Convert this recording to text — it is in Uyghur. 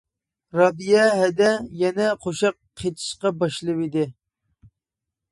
رابىيە ھەدە يەنە قوشاق قېتىشقا باشلىۋىدى.